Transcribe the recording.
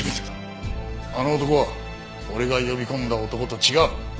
あの男は俺が呼び込んだ男と違う。